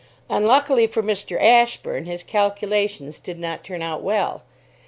Unluckily for Mr. Ashburn, his calculations did not turn out well.